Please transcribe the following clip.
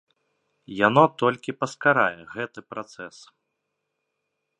Яно толькі паскарае гэты працэс.